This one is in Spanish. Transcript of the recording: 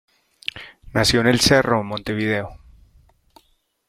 Nació en el Cerro, Montevideo.